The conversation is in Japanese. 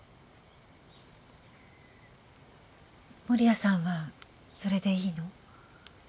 守屋さんはそれでいいの？